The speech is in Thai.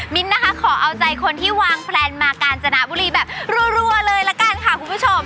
นะคะขอเอาใจคนที่วางแพลนมากาญจนบุรีแบบรัวเลยละกันค่ะคุณผู้ชม